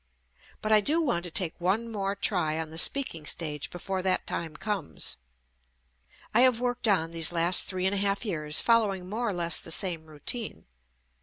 But I do want to take one more try on the speaking stage before that time comes. I have worked on these last three and a half years following more or less the same routine.